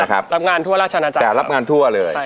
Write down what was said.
รับงานทั่วราชนาจักร